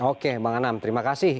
oke bang anam terima kasih